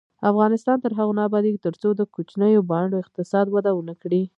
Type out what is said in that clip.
افغانستان تر هغو نه ابادیږي، ترڅو د کوچنیو بانډو اقتصاد وده ونه کړي.